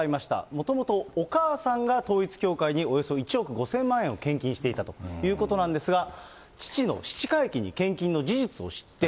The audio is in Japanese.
もともとお母さんが統一教会におよそ１億５０００万円を献金していたということなんですが、父の七回忌に献金の事実を知って。